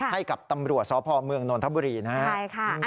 ให้กับตำรวจสพเมืองนทัพบุรีนะฮะ